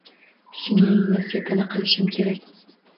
Singlingni sepini qilishim kerak